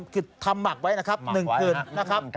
คือทำหมักไว้นะครับ๑คืน